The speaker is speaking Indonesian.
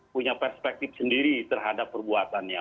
punya perspektif sendiri terhadap perbuatannya